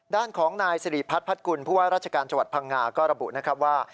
ด้านของนายสิริพัฒนพัฒกุลผู้ว่าราชการจังหวัดพังงาก็ระบุนะครับว่า